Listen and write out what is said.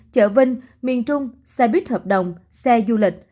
chợ vinh miền trung xe buýt hợp đồng xe du lịch